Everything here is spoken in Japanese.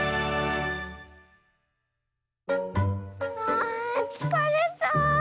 あつかれた。